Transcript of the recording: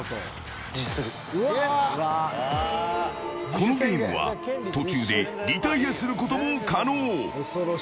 このゲームは途中でリタイアすることも可能。